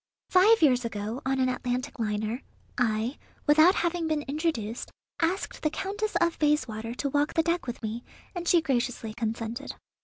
Five years ago, on an Atlantic liner, I, without having been introduced, asked the Countess of Bayswater to walk the deck with me, and she graciously consented.